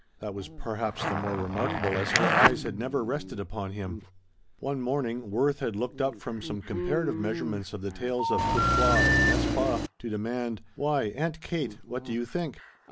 That was perhaps the more remarkable as her eyes had never rested upon him. One morning Worth had looked up from some comparative measurements of the tails of Pourquoi and N'est ce pas to demand: "Why, Aunt Kate, what do you think?"